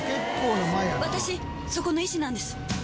私そこの医師なんです。